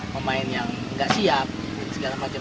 pemain yang nggak siap segala macam